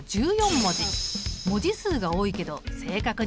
文字数が多いけど正確に伝わるかな？